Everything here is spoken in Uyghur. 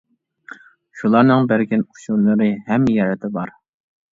شۇلارنىڭ بەرگەن ئۇچۇرلىرى ھەممە يەردە بار.